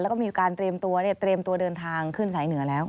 แล้วก็มีการเตรียมตัวเตรียมตัวเดินทางขึ้นสายเหนือแล้ว